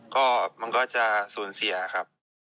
ก็มันก็จะสูญเสียครับ